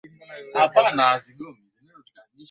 zilifika mnamo mwezi wa saba hadi mwezi wa nane